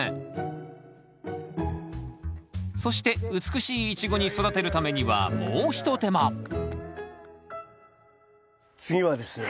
そして美しいイチゴに育てるためにはもうひと手間次はですね